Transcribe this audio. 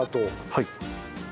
はい。